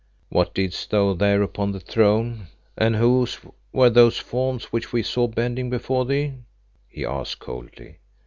"What didst thou there upon the throne, and whose were those forms which we saw bending before thee?" he asked coldly.